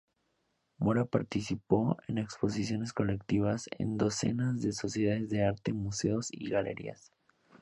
Mora participó en exposiciones colectivas en docenas de sociedades de arte, museos y galerías.